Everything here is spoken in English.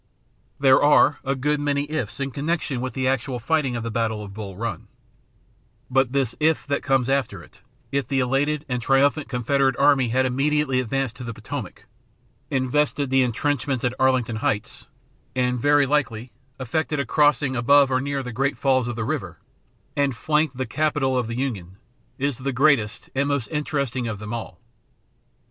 There are a good many "ifs" in connection with the actual fighting of the battle of Bull Run, but this "if" that comes after it if the elated and triumphant Confederate army had immediately advanced to the Potomac, invested the intrenchments at Arlington Heights and, very likely, effected a crossing above or near the Great Falls of the river, and flanked the capital of the Union is the greatest and most interesting of them all.